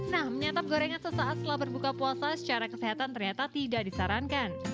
nah menyatap gorengan sesaat setelah berbuka puasa secara kesehatan ternyata tidak disarankan